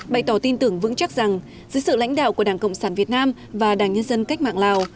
bày tỏ tin tưởng vững chắc rằng dưới sự lãnh đạo của đảng cộng sản việt nam và đảng nhân dân cách mạng lào